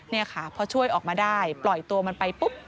นี่ค่ะพอช่วยออกมาได้ปล่อยตัวมันไปปุ๊บ